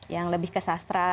yang lebih ke sastra